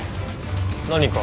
何か？